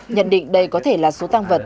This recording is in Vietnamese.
nhận định đây có thể là số tăng vật